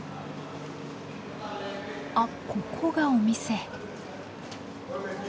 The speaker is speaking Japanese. あっここがお店。